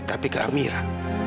tapi ke amirah